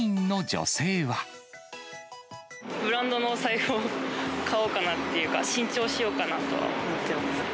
ブランドの財布を買おうかなっていうか、新調しようかなとは思ってます。